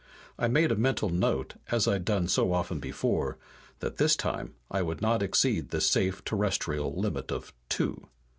I made a mental note, as I'd so often done before, that this time I would not exceed the safe terrestrial limit of two.